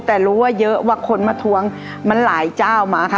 แต่รู้ว่าเยอะว่าคนมาทวงมันหลายเจ้ามาค่ะ